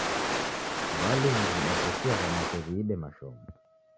W'alimu w'idatesia w'anake w'iide mashomo.